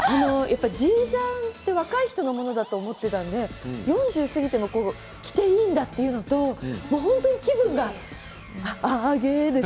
Ｇジャンは若い人のものだと思っていたので４０歳過ぎても着ていいんだと本当に気分が上がります。